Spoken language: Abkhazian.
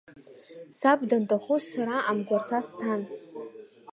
Саб данҭахоз сара амгәарҭа сҭан.